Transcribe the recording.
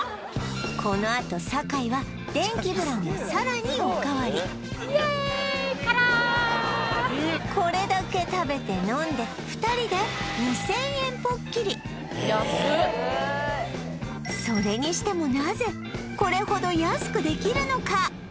このあと酒井は電気ブランをさらにおかわりこれだけ食べて飲んで２人で２０００円ポッキリそれにしてもなぜこれほど安くできるのか